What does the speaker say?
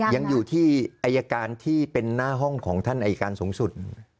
ยังอยู่ที่อายการที่เป็นหน้าห้องของท่านอายการสูงสุด